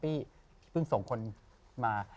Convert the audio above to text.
พี่เพิ่งส่งคนมา